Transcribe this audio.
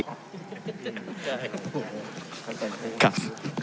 ครับ